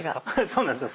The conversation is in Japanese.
そうなんですよ